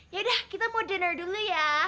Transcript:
yaudah kita mau dinner dulu ya